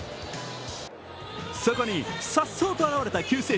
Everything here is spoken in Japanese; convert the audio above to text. そこにさっそうと現れた救世